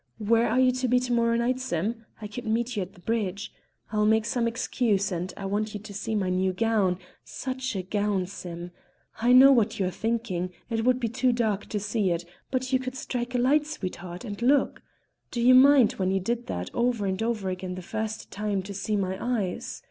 Where are you to be to morrow night, Sim? I could meet you at the bridge; I'll make some excuse, and I want you to see my new gown such a gown, Sim! I know what you're thinking, it would be too dark to see it; but you could strike a light, sweetheart, and look. Do you mind when you did that over and over again the first time, to see my eyes?